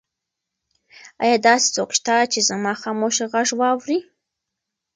ایا داسې څوک شته چې زما خاموشه غږ واوري؟